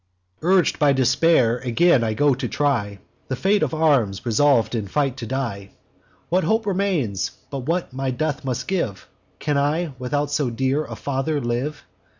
"Urg'd by despair, again I go to try The fate of arms, resolv'd in fight to die: 'What hope remains, but what my death must give? Can I, without so dear a father, live?